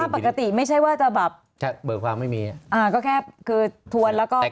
อ๋อตามปกติไม่ใช่ว่าจะแบบใช่เบอร์ความไม่มีอ่าก็แค่คือทวนแล้วก็พิมพ์